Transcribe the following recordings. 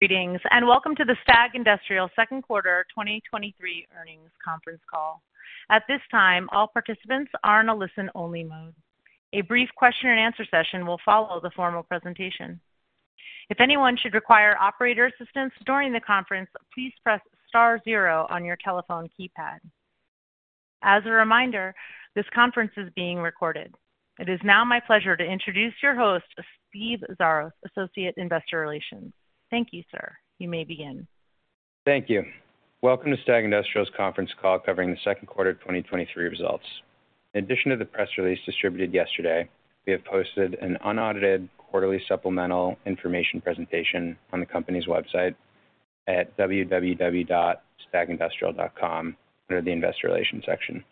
Greetings, welcome to the STAG Industrial Second Quarter 2023 Earnings Conference Call. At this time, all participants are in a listen-only mode. A brief question and answer session will follow the formal presentation. If anyone should require operator assistance during the conference, please press star zero on your telephone keypad. As a reminder, this conference is being recorded. It is now my pleasure to introduce your host, Steve Xiarhos, Associate Investor Relations. Thank you, sir. You may begin. Thank you. Welcome to STAG Industrial's Conference call covering the Second Quarter of 2023 Results. In addition to the press release distributed yesterday, we have posted an unaudited quarterly supplemental information presentation on the company's website at www.stagindustrial.com, under the Investor Relations section.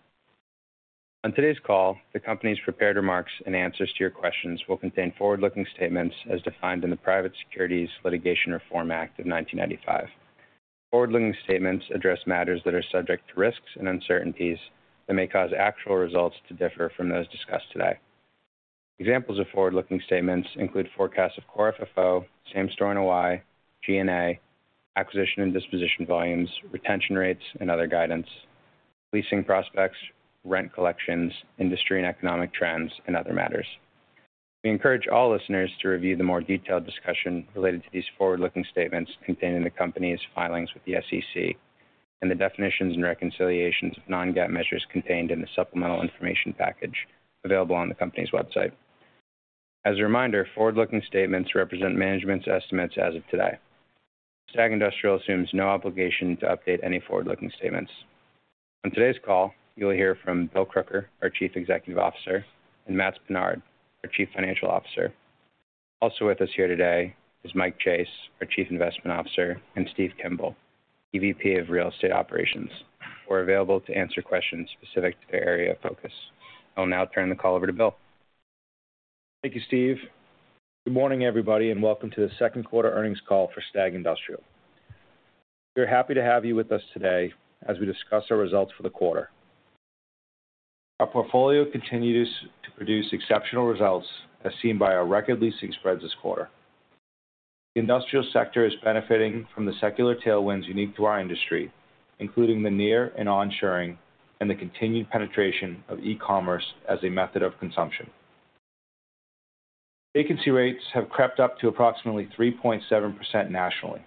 On today's call, the company's prepared remarks and answers to your questions will contain forward-looking statements as defined in the Private Securities Litigation Reform Act of 1995. Forward-looking statements address matters that are subject to risks and uncertainties that may cause actual results to differ from those discussed today. Examples of forward-looking statements include forecasts of Core FFO, same-store NOI, G&A, acquisition and disposition volumes, retention rates and other guidance, leasing prospects, rent collections, industry and economic trends, and other matters. We encourage all listeners to review the more detailed discussion related to these forward-looking statements contained in the company's filings with the SEC, and the definitions and reconciliations of non-GAAP measures contained in the supplemental information package available on the company's website. As a reminder, forward-looking statements represent management's estimates as of today. STAG Industrial assumes no obligation to update any forward-looking statements. On today's call, you will hear from Bill Crooker, our Chief Executive Officer, and Matt Pinard, our Chief Financial Officer. With us here today is Mike Chase, our Chief Investment Officer, and Steve Kimball, EVP of Real Estate Operations, who are available to answer questions specific to their area of focus. I'll now turn the call over to Bill. Thank you, Steve. Good morning, everybody. Welcome to the Second Quarter Earnings Call for STAG Industrial. We're happy to have you with us today as we discuss our results for the quarter. Our portfolio continues to produce exceptional results, as seen by our record leasing spreads this quarter. The industrial sector is benefiting from the secular tailwinds unique to our industry, including the nearshoring and onshoring, and the continued penetration of e-commerce as a method of consumption. Vacancy rates have crept up to approximately 3.7% nationally.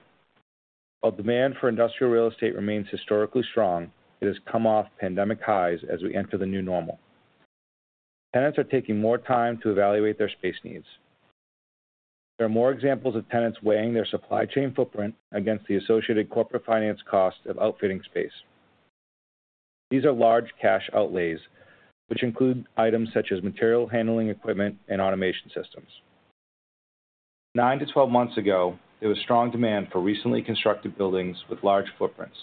While demand for industrial real estate remains historically strong, it has come off pandemic highs as we enter the new normal. Tenants are taking more time to evaluate their space needs. There are more examples of tenants weighing their supply chain footprint against the associated corporate finance cost of outfitting space. These are large cash outlays, which include items such as material handling equipment and automation systems. 9-12 months ago, there was strong demand for recently constructed buildings with large footprints,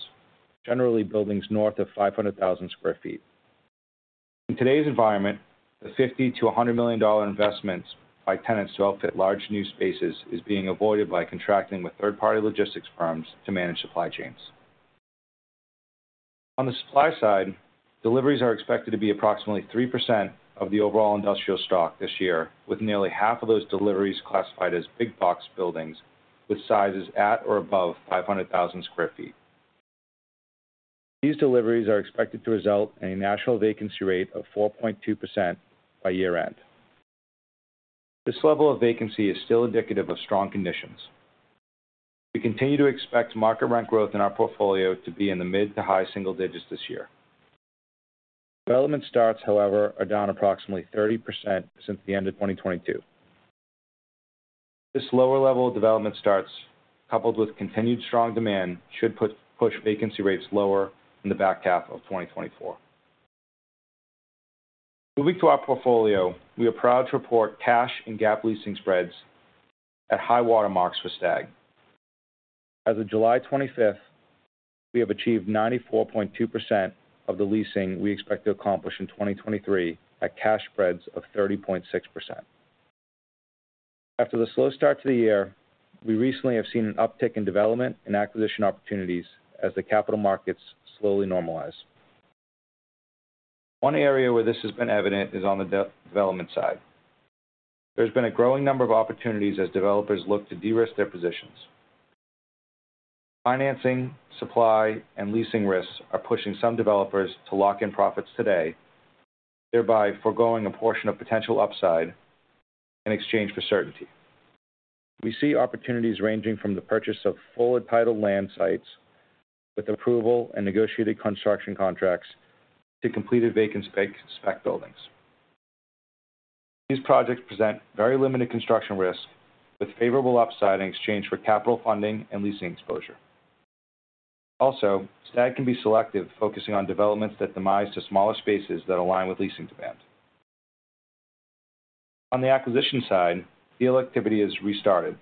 generally buildings north of 500,000 sq ft. In today's environment, the $50 million to $100 million investments by tenants to outfit large new spaces is being avoided by contracting with third-party logistics firms to manage supply chains. On the supply side, deliveries are expected to be approximately 3% of the overall industrial stock this year, with nearly half of those deliveries classified as big box buildings, with sizes at or above 500,000 sq ft. These deliveries are expected to result in a national vacancy rate of 4.2% by year-end. This level of vacancy is still indicative of strong conditions. We continue to expect market rent growth in our portfolio to be in the mid to high single digits this year. Development starts, however, are down approximately 30% since the end of 2022. This lower level of development starts, coupled with continued strong demand, should push vacancy rates lower in the back half of 2024. Moving to our portfolio, we are proud to report cash and GAAP leasing spreads at high water marks for STAG. As of July 25th, we have achieved 94.2% of the leasing we expect to accomplish in 2023, at cash spreads of 30.6%. After the slow start to the year, we have recently seen an uptick in development and acquisition opportunities as the capital markets slowly normalize. One area where this has been evident is on the de-development side. There's been a growing number of opportunities as developers look to de-risk their positions. Financing, supply, and leasing risks are pushing some developers to lock in profits today, thereby foregoing a portion of potential upside in exchange for certainty. We see opportunities ranging from the purchase of full entitled land sites with approval and negotiated construction contracts to completed vacant spec buildings. These projects present very limited construction risk, with favorable upside in exchange for capital funding and leasing exposure. STAG can be selective, focusing on developments that demise to smaller spaces that align with leasing demand. On the acquisition side, deal activity has restarted.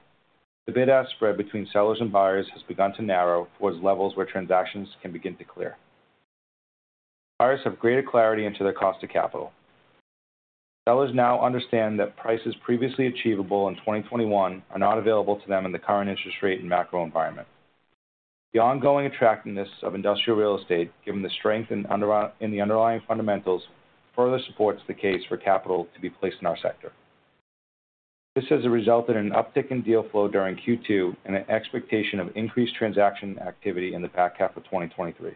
The bid-ask spread between sellers and buyers has begun to narrow towards levels where transactions can begin to clear. Buyers have greater clarity into their cost of capital. Sellers now understand that prices previously achievable in 2021 are not available to them in the current interest rate and macro environment. The ongoing attractiveness of industrial real estate, given the strength in the underlying fundamentals, further supports the case for capital to be placed in our sector. This has resulted in an uptick in deal flow during Q2 and an expectation of increased transaction activity in the back half of 2023,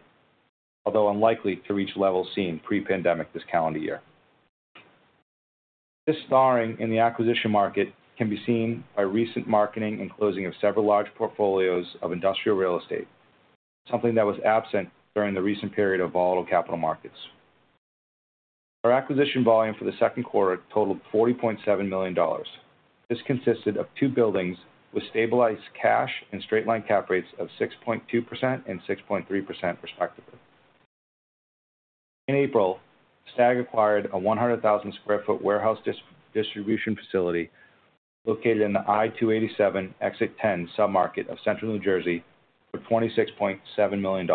although unlikely to reach levels seen pre-pandemic this calendar year. This thawing in the acquisition market can be seen by recent marketing and closing of several large portfolios of industrial real estate, something that was absent during the recent period of volatile capital markets. Our acquisition volume for the second quarter totaled $40.7 million. This consisted of two buildings with stabilized cash and straight-line cap rates of 6.2% and 6.3%, respectively. In April, STAG acquired a 100,000 sq ft warehouse distribution facility located in the I-287 Exit Ten submarket of Central New Jersey for $26.7 million.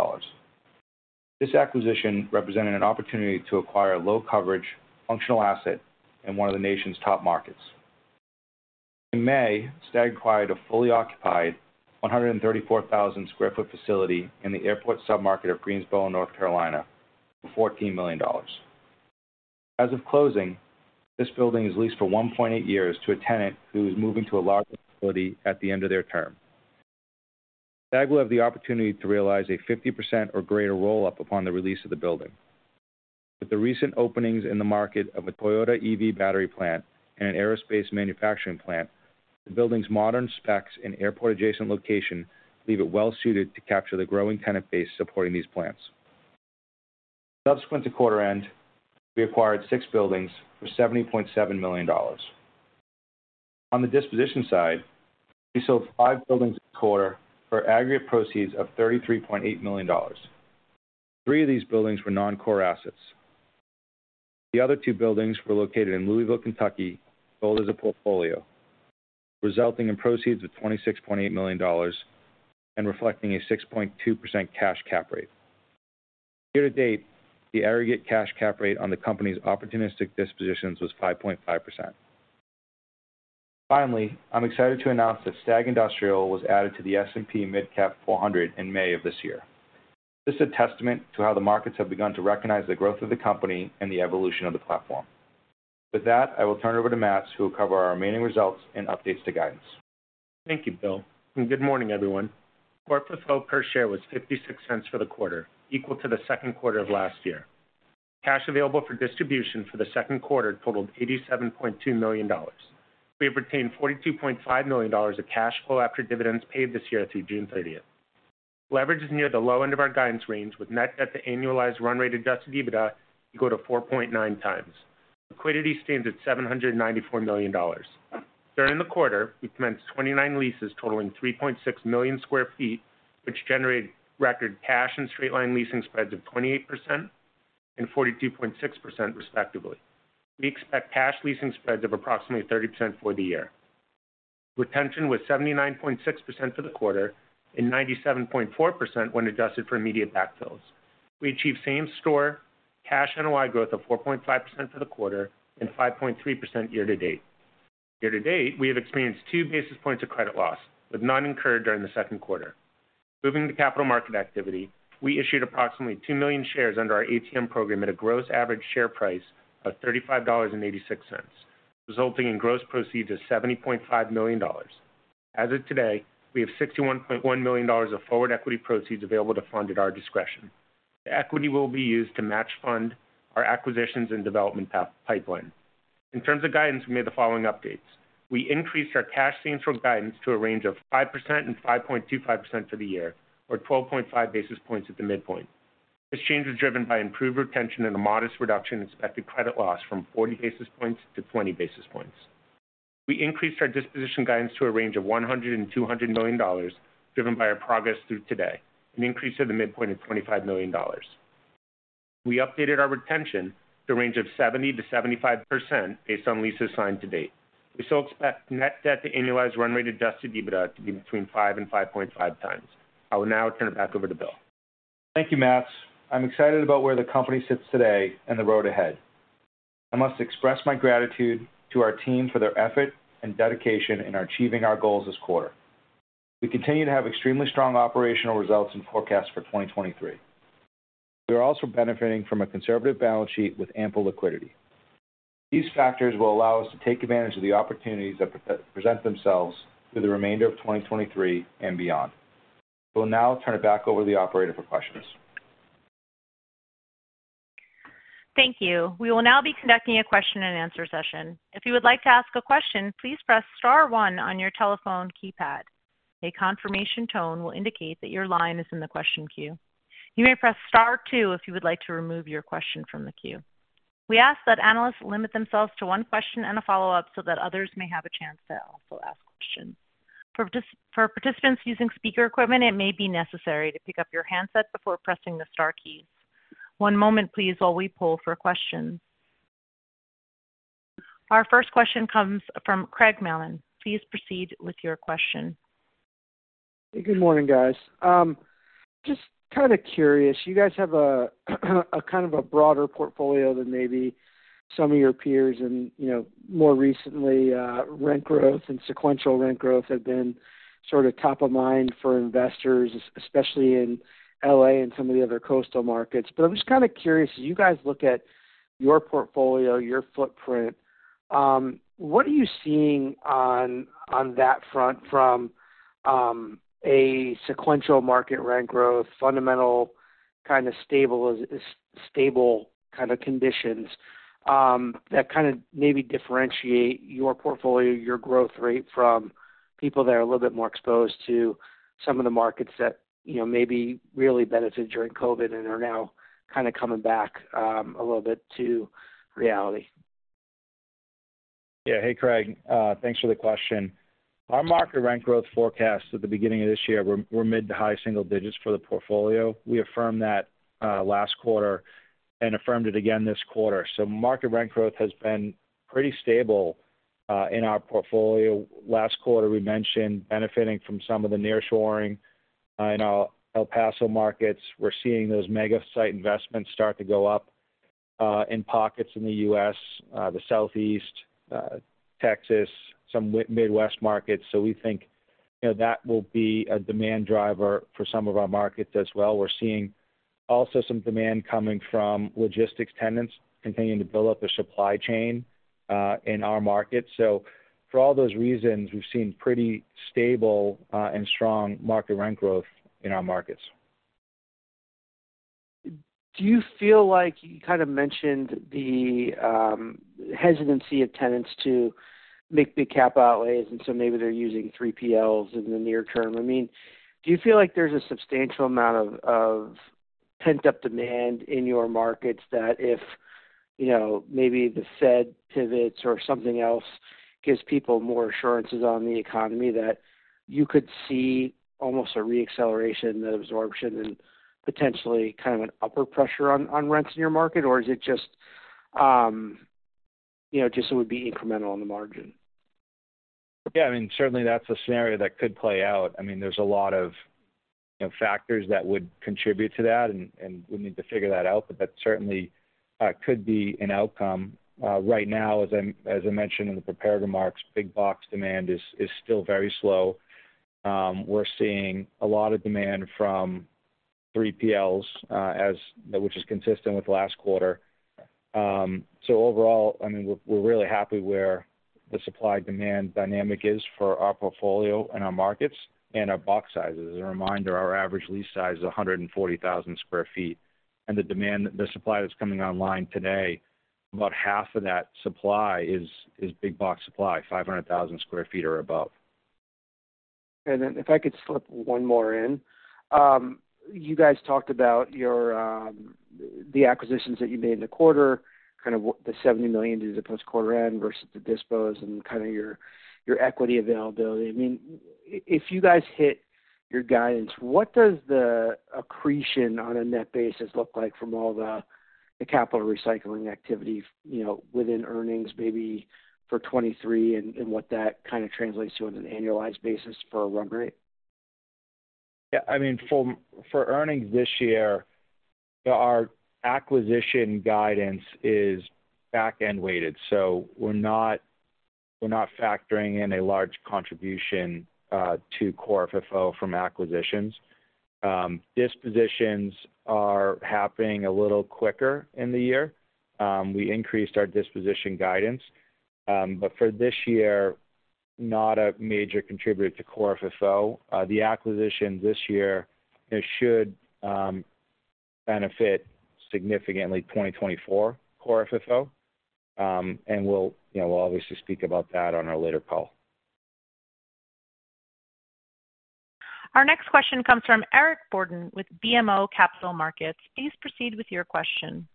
This acquisition represented an opportunity to acquire a low coverage, functional asset in one of the nation's top markets. In May, STAG acquired a fully occupied 134,000 sq ft facility in the airport submarket of Greensboro, North Carolina, for $14 million. As of closing, this building is leased for 1.8 years to a tenant who is moving to a larger facility at the end of their term. STAG will have the opportunity to realize a 50% or greater roll-up upon the release of the building. With the recent openings in the market of a Toyota EV battery plant and an aerospace manufacturing plant, the building's modern specs and airport-adjacent location leave it well-suited to capture the growing tenant base supporting these plants. Subsequent to quarter-end, we acquired six buildings for $70.7 million. On the disposition side, we sold five buildings this quarter for aggregate proceeds of $33.8 million. Three of these buildings were non-core assets. The other two buildings were located in Louisville, Kentucky, sold as a portfolio, resulting in proceeds of $26.8 million and reflecting a 6.2% cash cap rate. Year to date, the aggregate cash cap rate on the company's opportunistic dispositions was 5.5%. Finally, I'm excited to announce that STAG Industrial was added to the S&P Mid Cap 400 in May of this year. This is a testament to how the markets have begun to recognize the growth of the company and the evolution of the platform. With that, I will turn it over to Matt, who will cover our remaining results and updates to guidance. Thank you, Bill. Good morning, everyone. Core portfolio per share was $0.56 for the quarter, equal to the second quarter of last year. Cash Available for Distribution for the second quarter totaled $87.2 million. We have retained $42.5 million of cash flow after dividends paid this year through June 30th. Leverage is near the low end of our guidance range, with net debt to annualized run rate adjusted EBITDA go to 4.9x. Liquidity stands at $794 million. During the quarter, we commenced 29 leases totaling 3.6 million sq ft, which generated record cash and straight line leasing spreads of 28% and 42.6% respectively. We expect cash leasing spreads of approximately 30% for the year. Retention was 79.6% for the quarter and 97.4% when adjusted for immediate backfills. We achieved cash same-store NOI growth of 4.5% for the quarter and 5.3% year-to-date. Year-to-date, we have experienced 2 basis points of credit loss, with none incurred during the second quarter. Moving to capital market activity, we issued approximately 2 million shares under our ATM program at a gross average share price of $35.86, resulting in gross proceeds of $70.5 million. As of today, we have $61.1 million of forward equity proceeds available to fund at our discretion. The equity will be used to match fund our acquisitions and development path pipeline. In terms of guidance, we made the following updates. We increased our cash same-store guidance to a range of 5%-5.25% for the year, or 12.5 basis points at the midpoint. This change was driven by improved retention and a modest reduction in expected credit loss from 40 basis points to 20 basis points. We increased our disposition guidance to a range of $100 million to $200 million, driven by our progress through today, an increase to the midpoint of $25 million. We updated our retention to a range of 70%-75% based on leases signed to date. We still expect net debt to annualized run rate adjusted EBITDA to be between 5x and 5.5x. I will now turn it back over to Bill. Thank you, Matt. I'm excited about where the company sits today and the road ahead. I must express my gratitude to our team for their effort and dedication in achieving our goals this quarter. We continue to have extremely strong operational results and forecasts for 2023. We are also benefiting from a conservative balance sheet with ample liquidity. These factors will allow us to take advantage of the opportunities that present themselves through the remainder of 2023 and beyond. We'll now turn it back over to the operator for questions. Thank you. We will now be conducting a question-and-answer session. If you would like to ask a question, please press star one on your telephone keypad. A confirmation tone will indicate that your line is in the question queue. You may press star two if you would like to remove your question from the queue. We ask that analysts limit themselves to one question and a follow-up so that others may have a chance to also ask questions. For participants using speaker equipment, it may be necessary to pick up your handset before pressing the star keys. One moment please, while we pull for questions. Our first question comes from Craig Mailman. Please proceed with your question. Good morning, guys. Just kind of curious, you guys have a kind of a broader portfolio than maybe some of your peers. You know, more recently, rent growth and sequential rent growth have been sort of top of mind for investors, especially in L.A. and some of the other coastal markets. I'm just kind of curious, as you guys look at your portfolio, your footprint, what are you seeing on that front from a sequential market rent growth, fundamental kind of stable conditions that kind of maybe differentiate your portfolio, your growth rate from people that are a little bit more exposed to some of the markets that, you know, maybe really benefited during COVID and are now kind of coming back a little bit to reality? Hey, Craig, thanks for the question. Our market rent growth forecast at the beginning of this year were mid to high single digits for the portfolio. We affirmed that last quarter and affirmed it again this quarter. Market rent growth has been pretty stable in our portfolio. Last quarter, we mentioned benefiting from some of the nearshoring in our El Paso markets. We're seeing those mega site investments start to go up in pockets in the U.S., the Southeast, Texas, some Midwest markets. We think, you know, that will be a demand driver for some of our markets as well. We're seeing also some demand coming from logistics tenants continuing to build up a supply chain in our markets. For all those reasons, we've seen pretty stable and strong market rent growth in our markets. Do you feel like you kind of mentioned the hesitancy of tenants to make big cap outlays, and so maybe they're using 3PLs in the near term? I mean, do you feel like there's a substantial amount of pent-up demand in your markets that if, you know, maybe the Fed pivots or something else gives people more assurances on the economy, that you could see almost a reacceleration of absorption and potentially kind of an upper pressure on rents in your market? Or is it just, you know, just it would be incremental on the margin? Yeah, I mean, certainly that's a scenario that could play out. I mean, there's a lot of, you know, factors that would contribute to that, and we need to figure that out, but that certainly could be an outcome. Right now, as I mentioned in the prepared remarks, big box demand is still very slow. We're seeing a lot of demand from 3PLs, as which is consistent with last quarter. Overall, I mean, we're really happy where the supply-demand dynamic is for our portfolio and our markets and our box sizes. As a reminder, our average lease size is 140,000 sq ft, and the supply that's coming online today, about half of that supply is big box supply, 500,000 sq ft or above. If I could slip one more in. You guys talked about your, the acquisitions that you made in the quarter, kind of what the $70 million is at post-quarter end versus the dispos, and kind of your, your equity availability. I mean, if you guys hit your guidance, what does the accretion on a net basis look like from all the, the capital recycling activity, you know, within earnings, maybe for 2023, and what that kind of translates to on an annualized basis for a run rate? I mean, for earnings this year, our acquisition guidance is back-end weighted, we're not factoring in a large contribution to Core FFO from acquisitions. Dispositions are happening a little quicker in the year. We increased our disposition guidance, for this year, not a major contributor to Core FFO. The acquisition this year, it should benefit significantly 2024 Core FFO. We'll, you know, we'll obviously speak about that on our later call. Our next question comes from Eric Borden with BMO Capital Markets. Please proceed with your question.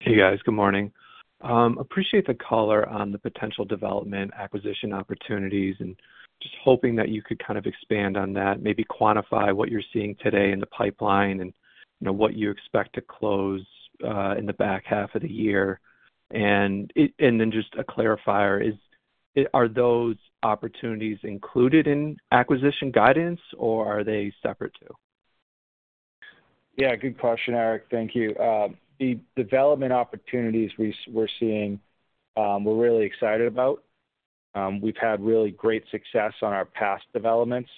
Hey, guys. Good morning. Appreciate the color on the potential development acquisition opportunities, and just hoping that you could kind of expand on that, maybe quantify what you're seeing today in the pipeline, and, you know, what you expect to close in the back half of the year. Then just a clarifier, are those opportunities included in acquisition guidance, or are they separate too? Yeah, good question, Eric. Thank you. The development opportunities we're seeing, we're really excited about. We've had really great success on our past developments.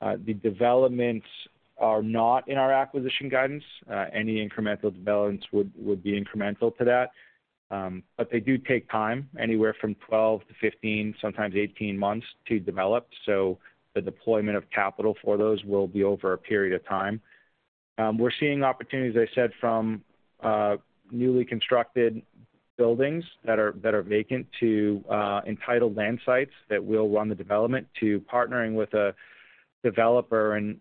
The developments are not in our acquisition guidance. Any incremental developments would be incremental to that. They do take time, anywhere from 12-15, sometimes 18 months to develop. The deployment of capital for those will be over a period of time. We're seeing opportunities, as I said, from newly constructed buildings that are vacant to entitled land sites that will run the development, to partnering with a developer and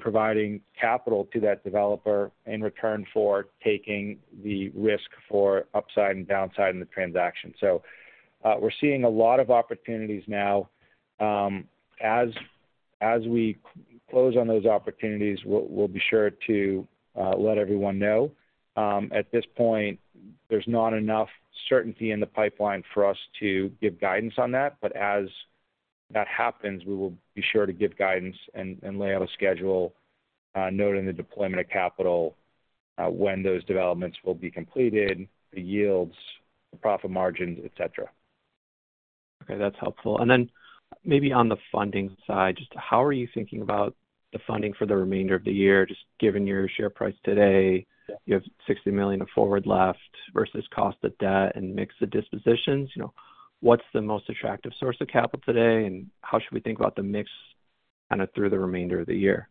providing capital to that developer in return for taking the risk for upside and downside in the transaction. We're seeing a lot of opportunities now. As we close on those opportunities, we'll be sure to let everyone know. At this point, there's not enough certainty in the pipeline for us to give guidance on that. As that happens, we will be sure to give guidance and lay out a schedule, noting the deployment of capital, when those developments will be completed, the yields, the profit margins, et cetera. Okay, that's helpful. Then maybe on the funding side, just how are you thinking about the funding for the remainder of the year? Just given your share price today, you have $60 million of forward left versus cost of debt and mix of dispositions. You know, what's the most attractive source of capital today? How should we think about the mix kind of through the remainder of the year?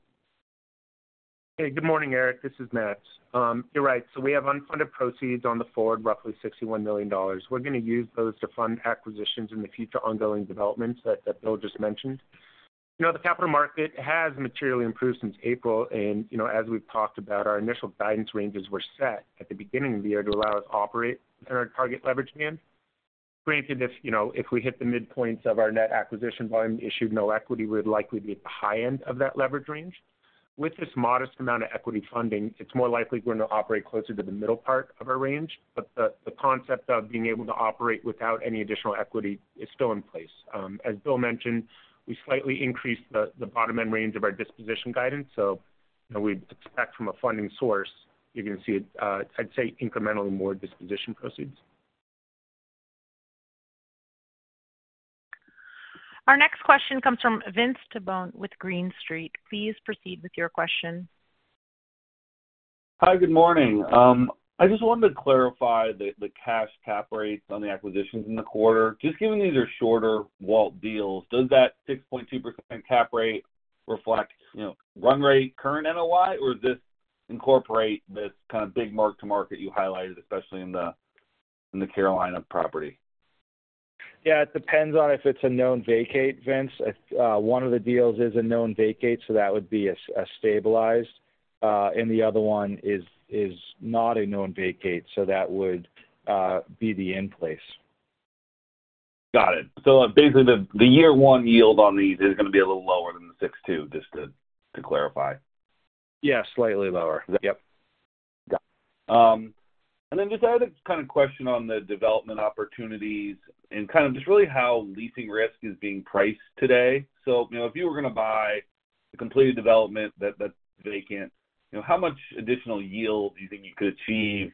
Hey, good morning, Eric. This is Matt. You're right. We have unfunded proceeds on the forward, roughly $61 million. We're going to use those to fund acquisitions in the future ongoing developments that Bill just mentioned. As we've talked about, our initial guidance ranges were set at the beginning of the year to allow us to operate in our target leverage band. Granted, if, you know, if we hit the midpoints of our net acquisition volume, issued no equity, we'd likely be at the high end of that leverage range. With this modest amount of equity funding, it's more likely we're going to operate closer to the middle part of our range. The concept of being able to operate without any additional equity is still in place. As Bill mentioned, we slightly increased the bottom end range of our disposition guidance. You know, we'd expect from a funding source, you can see it, I'd say incrementally more disposition proceeds. Our next question comes from Vince Tabone with Green Street. Please proceed with your question. Hi, good morning. I just wanted to clarify the cash cap rates on the acquisitions in the quarter. Just given these are shorter WALT deals, does that 6.2% cap rate reflect, you know, run rate current NOI, or does this incorporate this kind of big mark to market you highlighted, especially in the Carolina property? Yeah, it depends on if it's a known vacate, Vince. If one of the deals is a known vacate, so that would be a stabilized, and the other one is not a known vacate, so that would be the in place. Got it. Basically, the year 1 yield on these is going to be a little lower than the 6.2%, just to clarify. Yeah, slightly lower. Yep. Got it. Just another kind of question on the development opportunities and kind of just really how leasing risk is being priced today. If you were going to buy a completed development that's vacant, you know, how much additional yield do you think you could achieve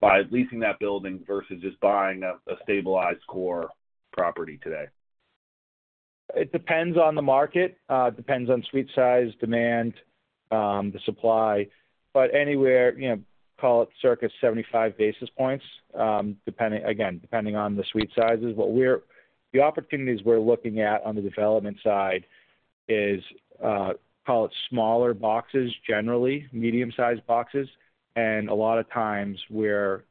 by leasing that building versus just buying a, a stabilized core property today? It depends on the market, depends on suite size, demand, the supply, but anywhere, you know, call it circa 75 basis points, depending, again, depending on the suite sizes. The opportunities we're looking at on the development side is, call it smaller boxes, generally, medium-sized boxes, and a lot of times we're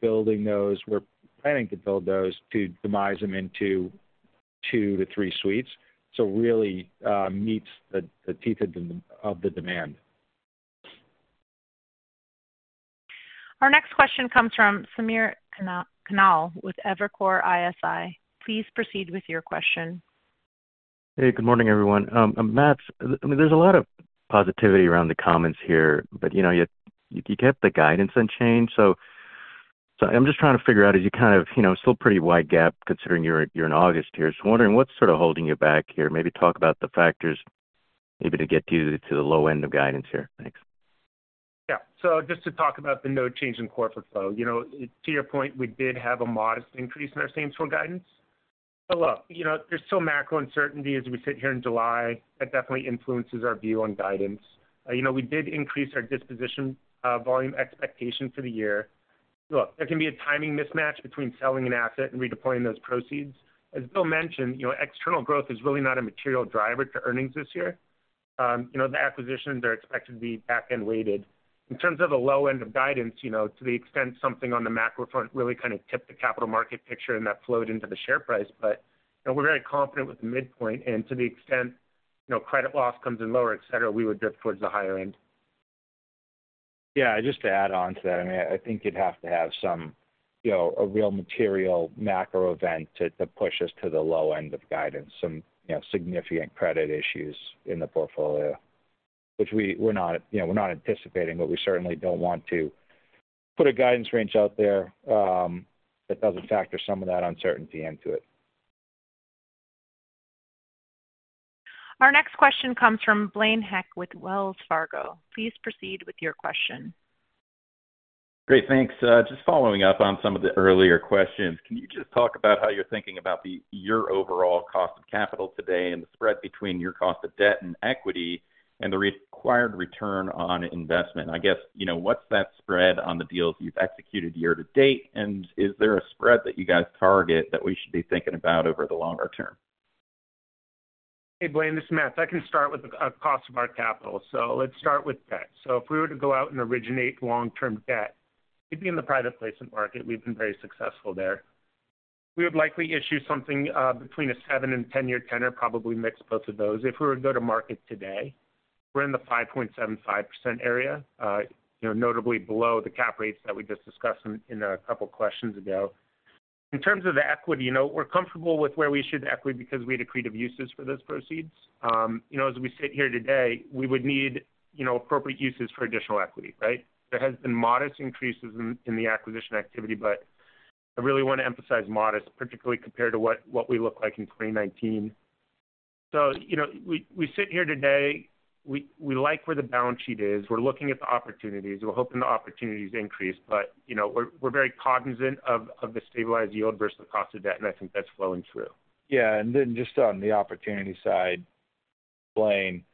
building those. We're planning to build those to demise them into 2-3 suites, so really, meets the teeth of the demand. Our next question comes from Samir Khanal with Evercore ISI. Please proceed with your question. Hey, good morning, everyone. Matt, I mean, there's a lot of positivity around the comments here, but you kept the guidance unchanged. I'm just trying to figure out, as you kind of still pretty wide gap considering you're, you're in August here. Wondering, what's sort of holding you back here? Maybe talk about the factors, maybe to get you to the low end of guidance here. Thanks. Yeah. Just to talk about the no change in Core FFO. You know, to your point, we did have a modest increase in our same-store guidance. Look, you know, there's still macro uncertainty as we sit here in July. That definitely influences our view on guidance. You know, we did increase our disposition volume expectations for the year. Look, there can be a timing mismatch between selling an asset and redeploying those proceeds. As Bill Crooker mentioned, you know, external growth is really not a material driver to earnings this year. You know, the acquisitions are expected to be back-end weighted. In terms of the low end of guidance, you know, to the extent something on the macro front really kind of tipped the capital market picture and that flowed into the share price. You know, we're very confident with the midpoint, and to the extent, you know, credit loss comes in lower, et cetera, we would drift towards the higher end. Yeah, just to add on to that, I mean, I think you'd have to have some, you know, a real material macro event to, to push us to the low end of guidance, some, you know, significant credit issues in the portfolio, which we're not, you know, we're not anticipating, but we certainly don't want to put a guidance range out there, that doesn't factor some of that uncertainty into it. Our next question comes from Blaine Heck with Wells Fargo. Please proceed with your question. Great, thanks. Just following up on some of the earlier questions, can you just talk about how you're thinking about your overall cost of capital today and the spread between your cost of debt and equity and the required return on investment? I guess, you know, what's that spread on the deals you've executed year to date, and is there a spread that you guys target that we should be thinking about over the longer term? Hey, Blaine, this is Matt. I can start with the cost of our capital. Let's start with debt. If we were to go out and originate long-term debt, it'd be in the private placement market. We've been very successful there. We would likely issue something between a 7- and 10-year tenor, probably mix both of those. If we were to go to market today, we're in the 5.75% area, you know, notably below the cap rates that we just discussed in a couple of questions ago. In terms of the equity, you know, we're comfortable with where we issued equity because we had accretive uses for those proceeds. As we sit here today, we would need, you know, appropriate uses for additional equity, right? There has been modest increases in the acquisition activity. I really want to emphasize modest, particularly compared to what we look like in 2019. You know, we sit here today, we like where the balance sheet is. We're looking at the opportunities. We're hoping the opportunities increase. You know, we're very cognizant of the stabilized yield versus the cost of debt, I think that's flowing through. Just on the opportunity side, Blaine,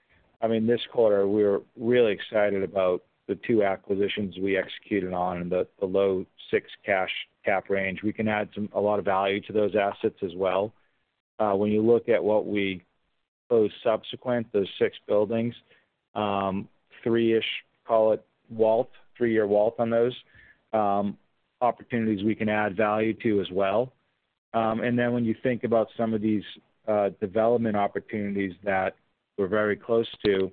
I mean, this quarter, we're really excited about the two acquisitions we executed on in the low six cash cap range. We can add a lot of value to those assets as well. When you look at what we closed subsequently, those six buildings, 3-ish, call it, WALT, 3-year WALT on those opportunities we can add value to as well. When you think about some of these development opportunities that we're very close to,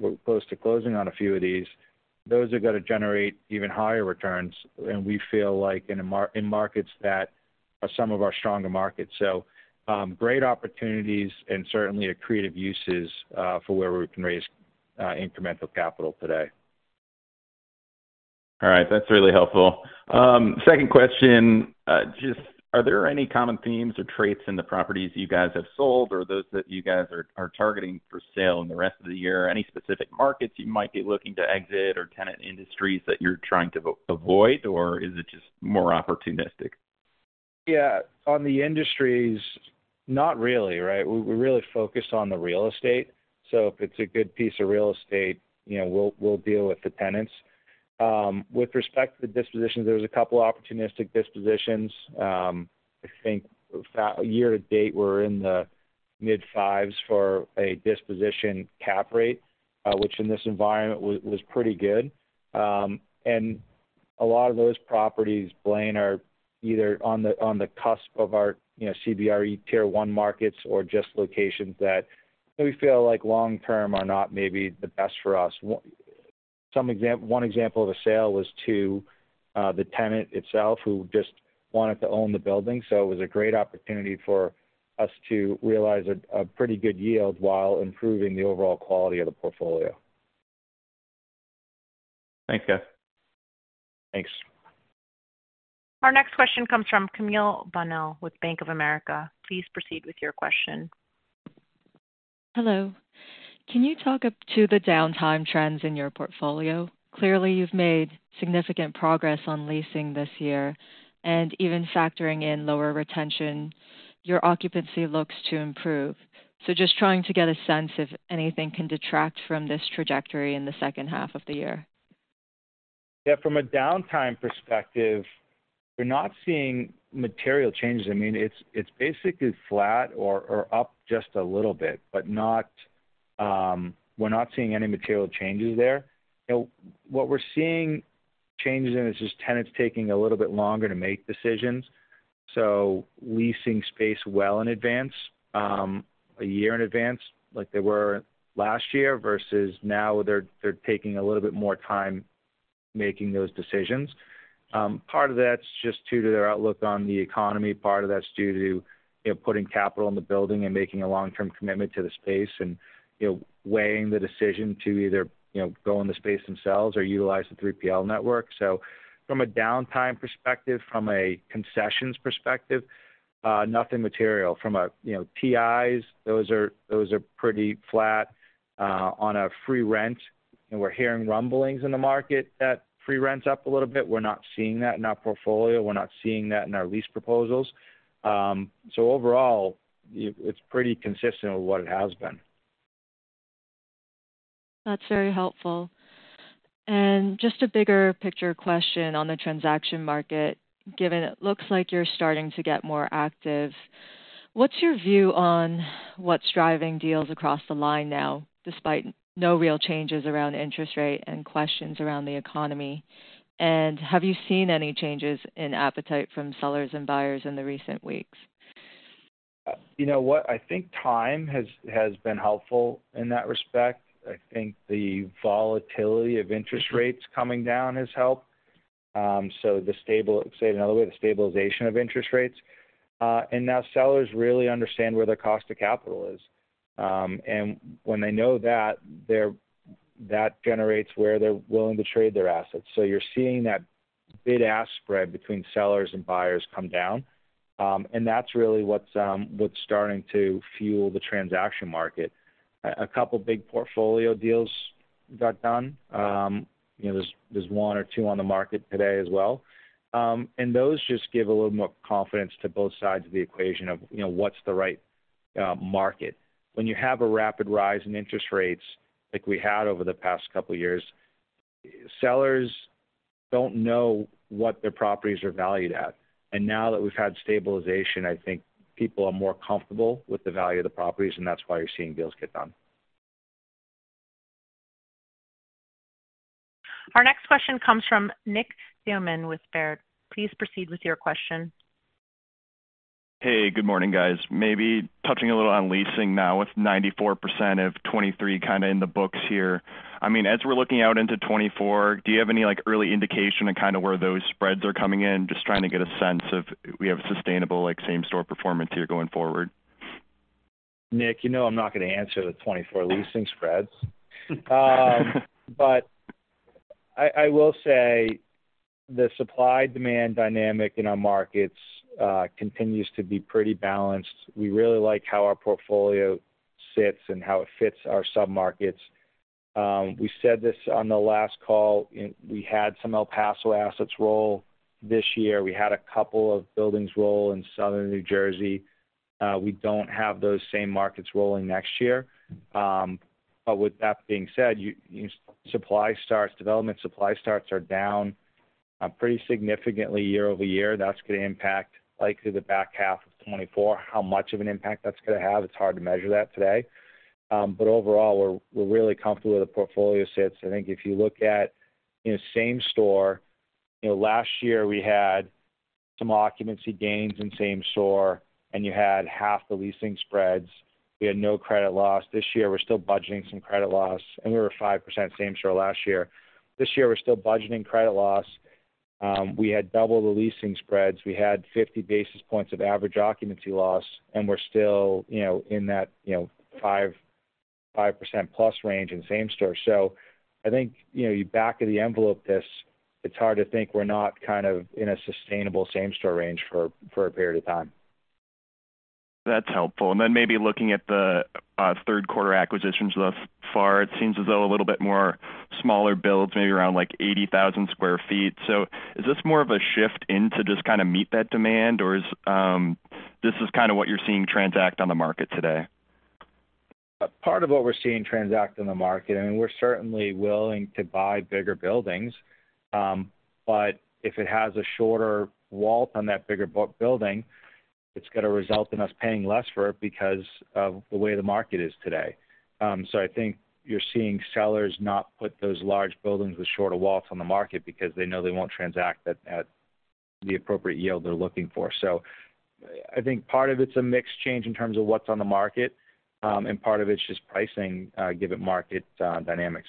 we're close to closing on a few of these, those are gonna generate even higher returns, and we feel like in markets that are some of our stronger markets. Great opportunities and certainly accretive uses for where we can raise incremental capital today. All right. That's really helpful. Second question. Just are there any common themes or traits in the properties you guys have sold or those that you guys are targeting for sale in the rest of the year? Any specific markets you might be looking to exit or tenant industries that you're trying to avoid, or is it just more opportunistic? Yeah. On the industries, not really, right? We really focus on the real estate. If it's a good piece of real estate, you know, we'll deal with the tenants. With respect to the dispositions, there was a couple opportunistic dispositions. I think, year to date, we're in the mid-fives for a disposition cap rate, which in this environment was pretty good. A lot of those properties, Blaine, are either on the cusp of our CBRE Tier 1 markets or just locations that we feel like long term are not maybe the best for us. One example of a sale was to the tenant itself, who just wanted to own the building. It was a great opportunity for us to realize a pretty good yield while improving the overall quality of the portfolio. Thanks, guys. Thanks. Our next question comes from Camille Bonnel with Bank of America. Please proceed with your question. Hello. Can you talk up to the downtime trends in your portfolio? Clearly, you've made significant progress on leasing this year, and even factoring in lower retention, your occupancy looks to improve. Just trying to get a sense if anything can detract from this trajectory in the second half of the year. From a downtime perspective, we're not seeing material changes. I mean, it's basically flat or up just a little bit, but not. We're not seeing any material changes there. You know, what we're seeing changes in is just tenants taking a little bit longer to make decisions. Leasing space well in advance, a year in advance, like they were last year, versus now they're taking a little bit more time making those decisions. Part of that's just due to their outlook on the economy. Part of that's due to, you know, putting capital in the building and making a long-term commitment to the space and, you know, weighing the decision to either, you know, go in the space themselves or utilize the 3PL network. From a downtime perspective, from a concessions perspective, nothing material. From a TIs, those are pretty flat, on a free rent. We're hearing rumblings in the market that free rent's up a little bit. We're not seeing that in our portfolio. We're not seeing that in our lease proposals. Overall, it's pretty consistent with what it has been. That's very helpful. Just a bigger picture question on the transaction market, given it looks like you're starting to get more active. What's your view on what's driving deals across the line now, despite no real changes around interest rate and questions around the economy? Have you seen any changes in appetite from sellers and buyers in the recent weeks? You know what? I think time has been helpful in that respect. I think the volatility of interest rates coming down has helped. Say it another way, the stabilization of interest rates. Now sellers really understand where their cost of capital is. When they know that, that generates where they're willing to trade their assets. You're seeing that bid-ask spread between sellers and buyers come down, that's really what's starting to fuel the transaction market. A couple big portfolio deals got done. You know, there's one or two on the market today as well. Those just give a little more confidence to both sides of the equation of, you know, what's the right market. When you have a rapid rise in interest rates, like we had over the past couple of years, sellers don't know what their properties are valued at. Now that we've had stabilization, I think people are more comfortable with the value of the properties, and that's why you're seeing deals get done. Our next question comes from Nick Thillman with Baird. Please proceed with your question. Hey, good morning, guys. Maybe touching a little on leasing now, with 94% of 2023 kind of in the books here, I mean, as we're looking out into 2024, do you have any, like, early indication on kind of where those spreads are coming in? Just trying to get a sense of we have a sustainable, like, same-store performance here going forward. Nick Thillman I'm not going to answer the 2024 leasing spreads. I will say the supply-demand dynamic in our markets continues to be pretty balanced. We really like how our portfolio sits and how it fits our submarkets. We said this on the last call, we had some El Paso assets roll this year. We had a couple of buildings roll in Southern New Jersey. We don't have those same markets rolling next year. With that being said, development supply starts are down pretty significantly year-over-year. That's going to impact likely the back half of 2024. How much of an impact that's going to have? It's hard to measure that today. Overall, we're really comfortable with the portfolio sits. I think if you look at same store last year we had some occupancy gains in the same store, and you had half the leasing spreads. We had no credit loss. This year, we're still budgeting some credit loss, and we were 5% same store last year. This year, we're still budgeting credit loss. We had double the leasing spreads. We had 50 basis points of average occupancy loss, and we're still in that 5%+ range in same store. I think you're back-of-the-envelope this, it's hard to think we're not kind of in a sustainable same-store range for a period of time. That's helpful. Then maybe looking at the 3rd quarter acquisitions thus far, it seems as though a little bit more smaller builds, maybe around like 80,000 sq ft. Is this more of a shift into just meet that demand? Is this kind of what you're seeing transact on the market today? Part of what we're seeing transact in the market, and we're certainly willing to buy bigger buildings. If it has a shorter wall on that bigger building, it's going to result in us paying less for it because of the way the market is today. I think you're seeing sellers not put those large buildings with shorter walls on the market because they know they won't transact at the appropriate yield they're looking for. I think part of it's a mix change in terms of what's on the market, and part of it's just pricing, given market dynamics.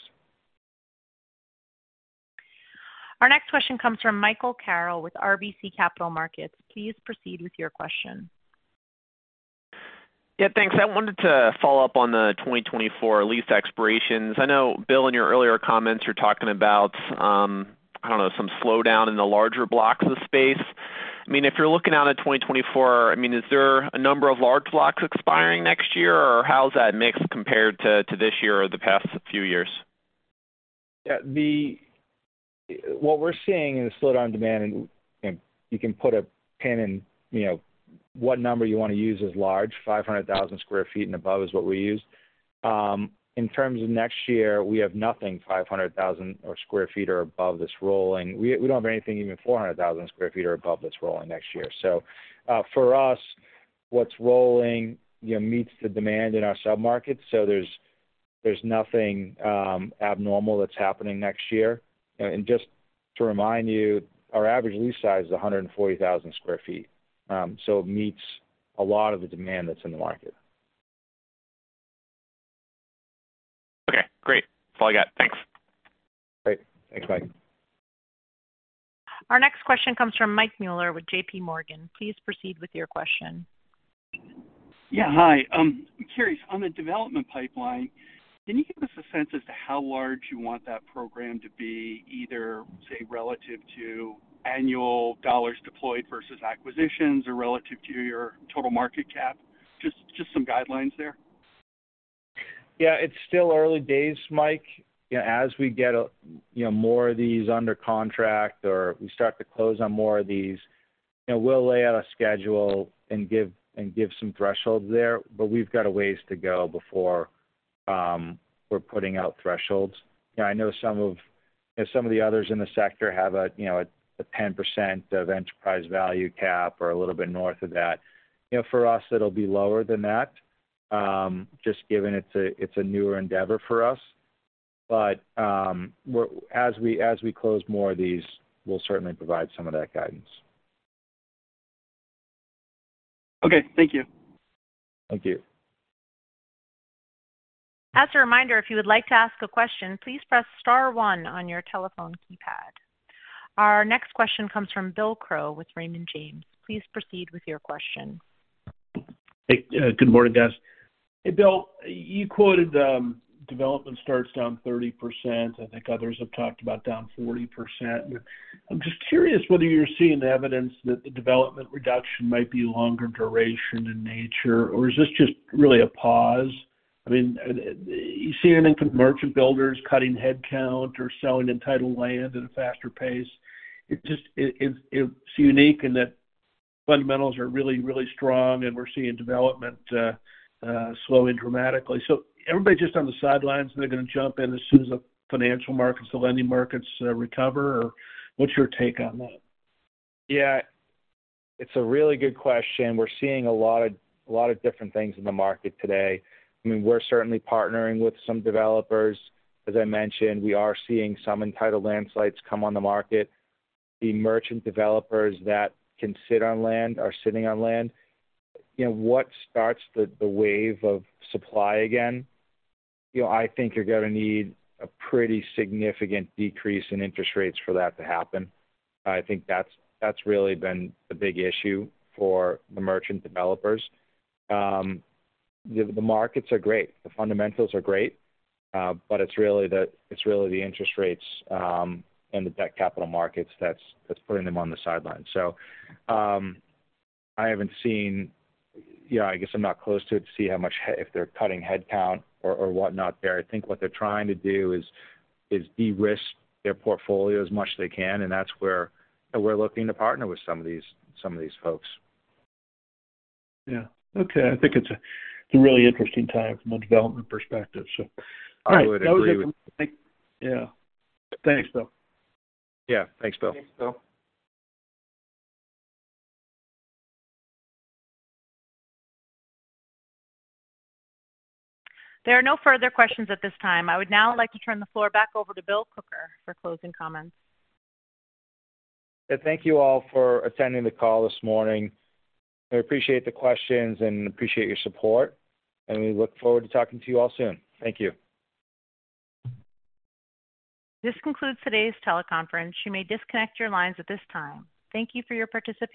Our next question comes from Michael Carroll with RBC Capital Markets. Please proceed with your question. Thanks. I wanted to follow up on the 2024 lease expirations. I know, Bill, in your earlier comments, you're talking about some slowdown in the larger blocks of space. If you're looking out at 2024, I mean, is there a number of large blocks expiring next year, or how's that mix compared to this year or the past few years? Yeah, what we're seeing in the slowdown demand, and you can put a pin in what number you want to use as large, 500,000 sq ft and above is what we use. In terms of next year, we have nothing, 500,000 or sq ft or above this rolling. We don't have anything, even 400,000 sq ft or above that's rolling next year. For us, what's rolling meets the demand in our submarkets, so there's nothing abnormal that's happening next year. Just to remind you, our average lease size is 140,000 sq ft, so it meets a lot of the demand that's in the market. Okay, great. That's all I got. Thanks. Great. Thanks, Mike. Our next question comes from Mike Mueller with JPMorgan. Please proceed with your question. Hi. I'm curious, on the development pipeline, can you give us a sense as to how large you want that program to be, either, say, relative to annual dollars deployed versus acquisitions or relative to your total market cap? Just some guidelines there. It's still early days, Mike. As we get you know, more of these under contract or we start to close on more of these, we'll lay out a schedule and give some thresholds there, but we've got a ways to go before we're putting out thresholds. I know some of the others in the sector have a 10% of enterprise value cap or a little bit north of that. For us, it'll be lower than that, just given it's a newer endeavor for us. As we close more of these, we'll certainly provide some of that guidance. Okay. Thank you. Thank you. As a reminder, if you would like to ask a question, please press star one on your telephone keypad. Our next question comes from Bill Crow with Raymond James. Please proceed with your question. Hey, good morning, guys. Hey, Bill, you quoted development starts down 30%. I think others have talked about down 40%. I'm just curious whether you're seeing evidence that the development reduction might be longer duration in nature, or is this just really a pause? I mean, you're seeing any merchant builders cutting headcount or selling entitled land at a faster pace. It's unique in that fundamentals are really, really strong, and we're seeing development slowing dramatically. Everybody just on the sidelines, and they're going to jump in as soon as the financial markets, the lending markets recover, or what's your take on that? It's a really good question. We're seeing a lot of different things in the market today. We're certainly partnering with some developers. As I mentioned, we are seeing some entitled land sites come on the market. The merchant developers that can sit on land are sitting on land. You know, what starts the wave of supply again? You're going to need a pretty significant decrease in interest rates for that to happen. I think that's really been the big issue for the merchant developers. The markets are great, the fundamentals are great, but it's really the interest rates and the debt capital markets that's putting them on the sidelines. I haven't seen I guess I'm not close to it to see how much, if they're cutting headcount or whatnot there. I think what they're trying to do is de-risk their portfolio as much as they can, and that's where we're looking to partner with some of these folks. Yeah. Okay. I think it's a, it's a really interesting time from a development perspective. I would agree with- Yeah. Thanks, Bill. Yeah. Thanks, Bill. Thanks, Bill. There are no further questions at this time. I would now like to turn the floor back over to Bill Crooker for closing comments. Thank you all for attending the call this morning. I appreciate the questions and appreciate your support. We look forward to talking to you all soon. Thank you. This concludes today's teleconference. You may disconnect your lines at this time. Thank you for your participation.